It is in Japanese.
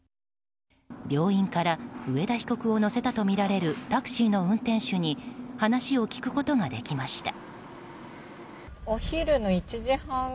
病院から上田被告を乗せたとみられるタクシーの運転手に話を聞くことができました。